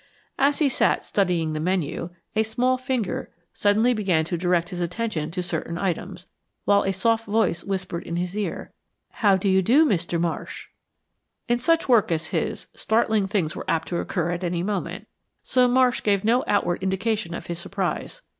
As he sat studying the menu, a small finger suddenly began to direct his attention to certain items, while a soft voice whispered in his ear, "How do you do, Mr. Marsh?" In work such as his, startling things were apt to occur at any moment, so Marsh gave no outward indication of his surprise.